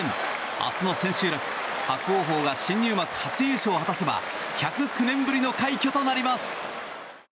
明日の千秋楽、伯桜鵬が新入幕初優勝を果たせば１０９年ぶりの快挙となります。